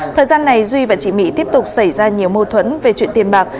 thời gian này duy và chị mỹ tiếp tục xảy ra nhiều mâu thuẫn về chuyện tiền bạc